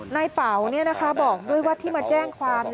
ในเป่านี้นะคะบอกด้วยว่าที่มาแจ้งความ